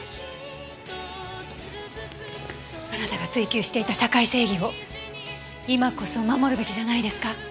あなたが追求していた社会正義を今こそ守るべきじゃないですか？